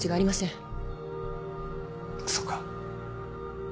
そうか。